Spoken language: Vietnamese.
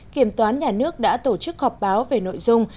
kiểm toán nhà nước đã tổ chức họp báo về nội dung